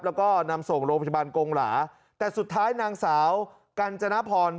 แล้วก็นำส่งโรงพยาบาลกงหลาแต่สุดท้ายนางสาวกัญจนพร